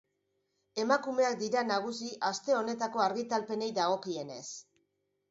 Emakumeak dira nagusi aste honetako argitalpenei dagokienez.